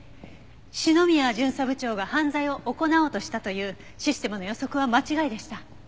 篠宮巡査部長が犯罪を行おうとしたというシステムの予測は間違いでした。